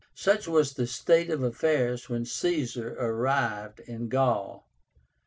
Such was the state of affairs when Caesar arrived in Gaul.